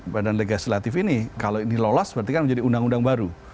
badan legislatif ini kalau ini lolos berarti kan menjadi undang undang baru